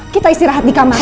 kita istirahat di kamar